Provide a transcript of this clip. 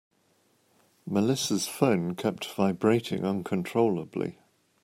Melissa's phone kept vibrating uncontrollably.